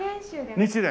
日蓮。